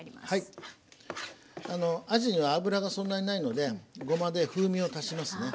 あのあじには脂がそんなにないのでごまで風味を足しますね。